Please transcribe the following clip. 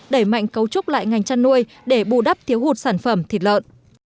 đẩy mạnh cấu trúc lại ngành chăn nuôi để bù đắp thiếu hụt sản phẩm thịt lợn